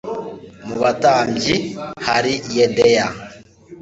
Mu batambyi hari Yedaya